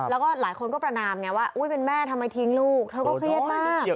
แล้วก็หลายคนก็ประนามไงว่าอุ๊ยเป็นแม่ทำไมทิ้งลูกเธอก็เครียดมาก